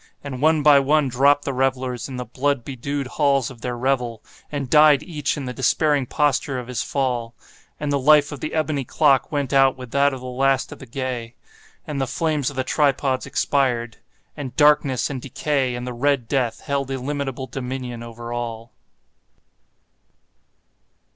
And one by one dropped the revellers in the blood bedewed halls of their revel, and died each in the despairing posture of his fall. And the life of the ebony clock went out with that of the last of the gay. And the flames of the tripods expired. And Darkness and Decay and the Red Death held illimitable dominion over all.